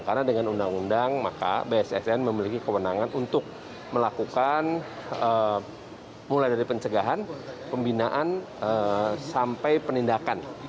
karena dengan undang undang maka bssn memiliki kewenangan untuk melakukan mulai dari pencegahan pembinaan sampai penindakan